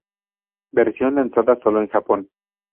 Versión lanzada sólo en Japón.